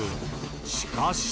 しかし。